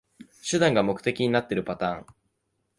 手段が目的になってるパターン